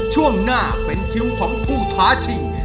ช่วงหน้าเป็นคิวของผู้ท้าชิง